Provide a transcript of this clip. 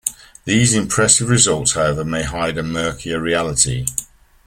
These impressive results however may hide a murkier reality.